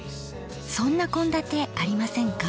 そんな献立ありませんか？